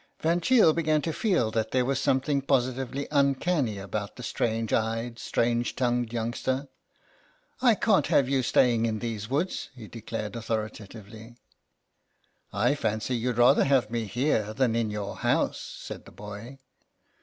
Van Cheele began to feel that there was something positively uncanny about the strange eyed, strange tongued youngster. " I can't have you staying in these woods," he declared authoritatively. GABRIEL ERNEST S i " I fancy you'd rather have me here than in your house," said the boy.